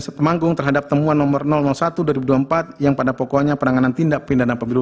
setemanggung terhadap temuan nomor seribu dua ratus dua puluh empat yang pada pokoknya penanganan tindak pindah dan pemburu